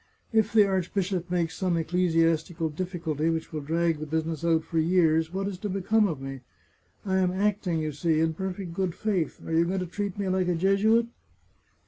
If the archbishop makes some ecclesiastical difficulty which will drag the busi ness out for years, what is to become of me? I am acting, you see, in perfect good faith; are you going to treat me like a Jesuit?"